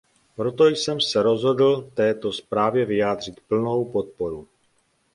Proto jsem se rozhodl této zprávě vyjádřit plnou podporu.